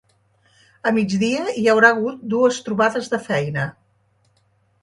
A migdia hi haurà hagut dues trobades de feina.